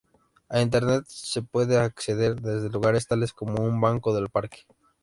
A Internet se puede acceder desde lugares tales como un banco del parque.